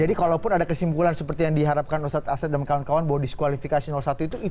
jadi kalaupun ada kesimpulan seperti yang diharapkan ustadz asep dan kawan kawan bahwa diskualifikasi satu itu